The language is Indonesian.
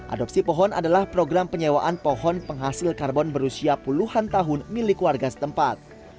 adopsi pohon adalah program penyewaan pohon penghasil karbon berusia puluhan tahun milik warga setempat